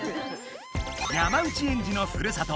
山内エンジのふるさと